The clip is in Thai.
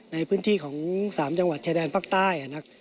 ในพื้นที่ของ๓จังหวัดชายแดนภาคใต้